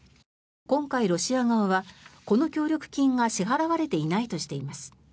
今回、ロシア側はこの協力金が支払われていないとしています。